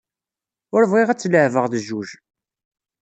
Ur bɣiɣ ad tt-leɛbeɣ d jjuj.